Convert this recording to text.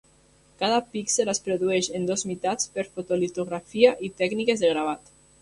Cada píxel es produeix en dues meitats per fotolitografia i tècniques de gravat.